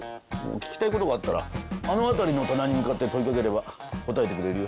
聞きたいことがあったらあの辺りの棚に向かって問いかければ答えてくれるよ。